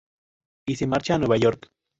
Y se marcha a Nueva York.